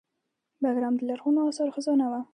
بګرام د لرغونو اثارو خزانه وه